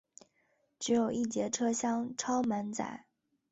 只有一节车厢超满载